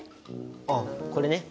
あっこれね。